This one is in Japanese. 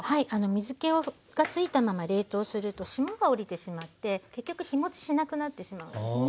水けがついたまま冷凍すると霜が降りてしまって結局日もちしなくなってしまうんですね。